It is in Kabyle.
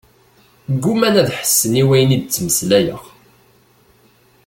Gguman ad ḥessen i wayen i d-ttmeslayeɣ.